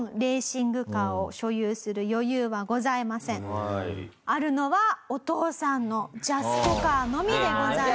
もちろんあるのはお父さんのジャスコカーのみでございます。